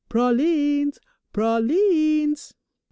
Pralines! Pralines!"